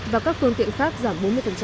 và các phương tiện khác giảm bốn mươi